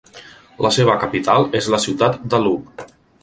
La seva capital és la ciutat de Loup.